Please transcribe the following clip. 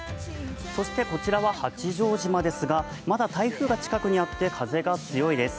そして、こちらは八丈島ですがまだ台風が近くにあって風が強いです。